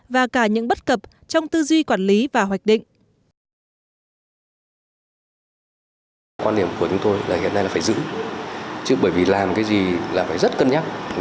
và cả những bất cập trong tư duy quản lý và hoạch định